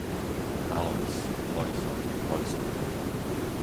Alojz, Lojzo, Lojzko